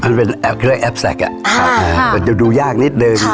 อันนั้นเป็นแอบแสกอ่ะค่ะค่ะมันจะดูยากนิดหนึ่ง